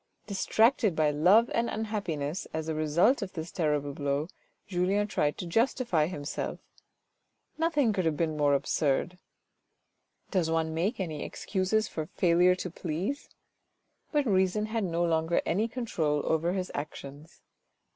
Distracted by love and unhappiness, as a result of this terrible blow, Julien tried to justify himself. Nothing could have been more absurd. Does one make any excuses for failure to please ? But reason had no longer any control over his actions.